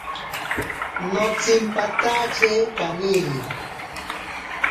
Notsimpatatye kaniri.